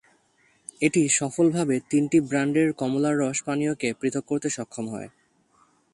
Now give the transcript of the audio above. এটি সফলভাবে তিনটি ব্র্যান্ডের কমলার রস পানীয়কে পৃথক করতে সক্ষম হয়।